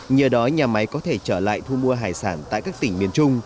nhờ đó nhà máy có thể trở lại thu mua hải sản tại các tỉnh miền trung